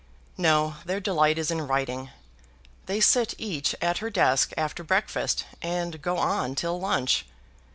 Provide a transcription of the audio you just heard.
No; their delight is in writing. They sit each at her desk after breakfast, and go on till lunch.